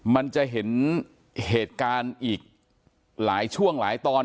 มันจะเห็นเหตุการณ์อีกหลายช่วงหลายตอน